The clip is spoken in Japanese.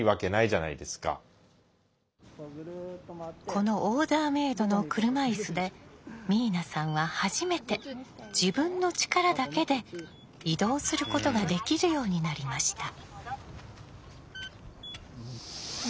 このオーダーメードの車いすで明奈さんは初めて自分の力だけで移動することができるようになりました。